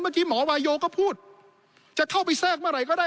เมื่อกี้หมอวาโยก็พูดจะเข้าไปแทรกเมื่อไหร่ก็ได้